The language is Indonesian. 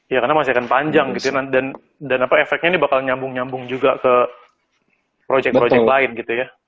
iya karena masih akan panjang gitu dan efeknya ini bakal nyambung nyambung juga ke project project lain gitu ya